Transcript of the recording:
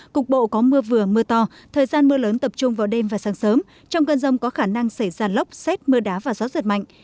cục bộ có mưa vừa mưa to thời gian mưa lớn tập trung vào đêm và sáng sớm trong cơn rông có khả năng xảy ra lốc xét mưa đá và gió giật mạnh